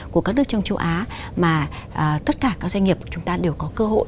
của các nước trong châu á mà tất cả các doanh nghiệp của chúng ta đều có cơ hội